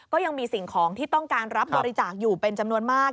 ก็ยังมีสิ่งของที่ต้องการรับบริจาคอยู่เป็นจำนวนมาก